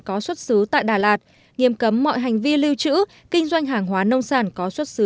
có xuất xứ tại đà lạt nghiêm cấm mọi hành vi lưu trữ kinh doanh hàng hóa nông sản có xuất xứ